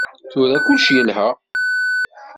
Tura kullec yelha.